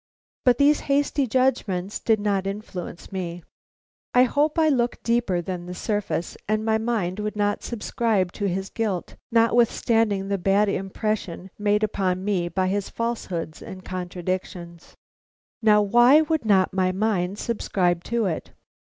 But these hasty judgments did not influence me. I hope I look deeper than the surface, and my mind would not subscribe to his guilt, notwithstanding the bad impression made upon me by his falsehoods and contradictions. Now why would not my mind subscribe to it?